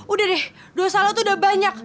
udah deh dosa lo tuh udah banyak